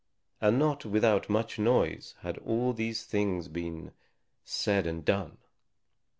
And not without much noise had all these things been said and done.